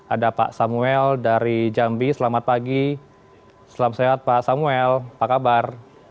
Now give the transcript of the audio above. ada pak samuel dari jambi selamat pagi selamat sehat pak samuel apa kabar